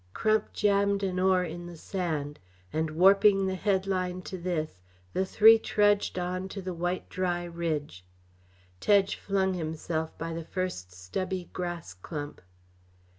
Crump jammed an oar in the sand; and warping the headline to this, the three trudged on to the white dry ridge. Tedge flung himself by the first stubby grass clump.